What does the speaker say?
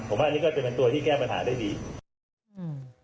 ผมว่าอันนี้ก็จะเป็นตัวที่แก้ปัญหาได้ดีอืม